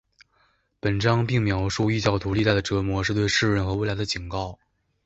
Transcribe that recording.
本章并描述异教徒历代的折磨是对世人和未来的警告。